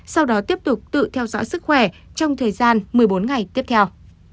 sau đó tiếp tục tự theo dõi sức khỏe trong thời gian một mươi bốn ngày tiếp theo